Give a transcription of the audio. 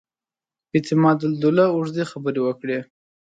اعتماد الدوله اوږدې خبرې وکړې.